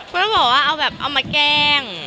ก็ต้องบอกว่าเอาแบบเอามาแกล้ง